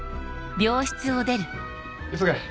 急げ。